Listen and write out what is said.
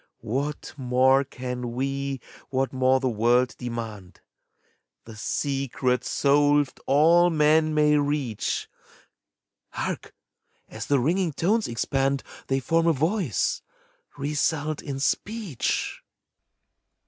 What more can we, what more the world demand? The secret, solved, all men may reach : Hark! as the ringing tones expand. They form a voice, result in speech.